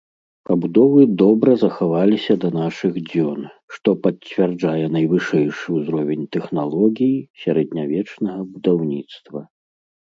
Пабудовы добра захаваліся да нашых дзён, што пацвярджае найвышэйшы ўзровень тэхналогій сярэднявечнага будаўніцтва.